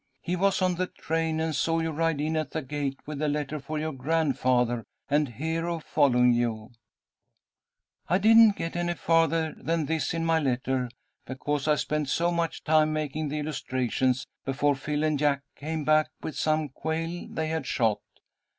He was on the train and saw you ride in at the gate with a letter for your grandfather, and Hero following you. "'I didn't get any farther than this in my letter (because I spent so much time making the illustrations) before Phil and Jack came back with some quail they had shot.